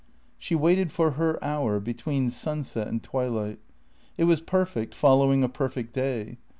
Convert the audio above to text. She waited for her hour between sunset and twilight. It was perfect, following a perfect day.